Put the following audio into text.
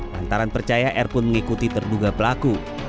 lantaran percaya r pun mengikuti terduga pelaku